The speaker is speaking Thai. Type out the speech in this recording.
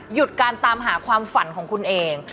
หยุดการตามหาความฝันของคุณเอง